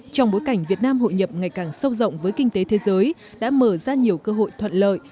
trong bối cảnh việt nam hội nhập ngày càng sâu rộng với kinh tế thế giới đã mở ra nhiều cơ hội thuận lợi